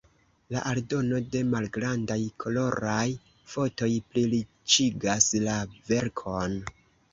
La aldono de malgrandaj koloraj fotoj pliriĉigas la verkon.